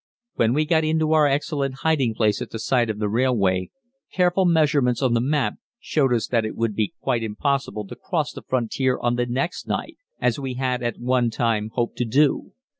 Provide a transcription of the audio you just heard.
When we got into our excellent hiding place at the side of the railway, careful measurements on the map showed us that it would be quite impossible to cross the frontier on the next night, as we had at one time hoped to do.